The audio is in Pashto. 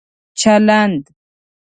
چلند